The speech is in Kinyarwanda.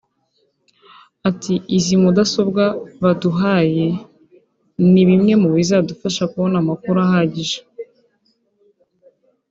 Ati “Izi mudasobwa baduhaye ni bimwe mu bizadufasha kubona amakuru ahagije